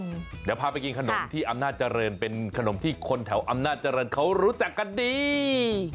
เดี๋ยวพาไปกินขนมที่อำนาจเจริญเป็นขนมที่คนแถวอำนาจเจริญเขารู้จักกันดี